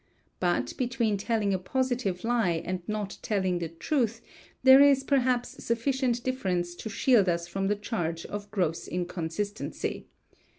But between telling a positive lie, and not telling the truth, there is perhaps sufficient difference to shield us from the charge of gross inconsistency.